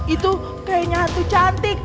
itu kayaknya hantu cantik